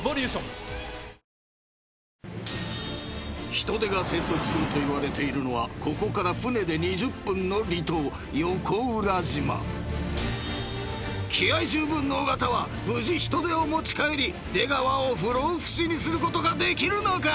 ［ヒトデが生息するといわれているのはここから船で２０分の離島横浦島］［気合十分の尾形は無事ヒトデを持ち帰り出川を不老不死にすることができるのか？